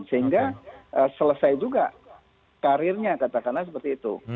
sehingga selesai juga karirnya katakanlah seperti itu